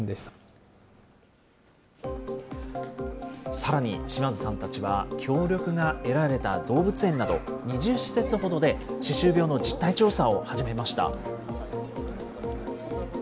さらに島津さんたちは、協力が得られた動物園など２０施設ほどで歯周病の実態調査を始めました。